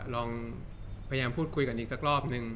ลองพยายามพูดคุยกันอีกสักรอบนึง